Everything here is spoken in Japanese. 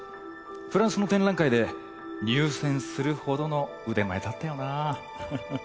フランスの展覧会で入選するほどの腕前だったよなぁフフッ。